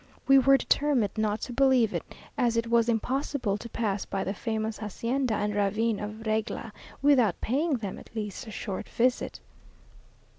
We were determined not to believe it, as it was impossible to pass by the famous hacienda and ravine of Regla without paying them at least a short visit.